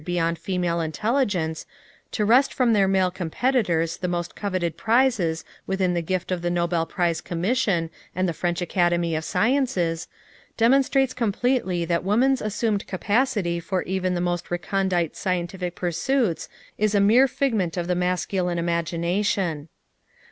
Curie and Sónya Kovalévsky were able, in sciences usually considered beyond female intelligence, to wrest from their male competitors the most coveted prizes within the gift of the Nobel Prize Commission and the French Academy of Sciences, demonstrates completely that woman's assumed incapacity for even the most recondite scientific pursuits is a mere figment of the masculine imagination.